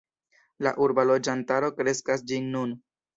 La urba loĝantaro kreskas ĝis nun.